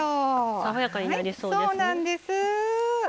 爽やかになりそうです。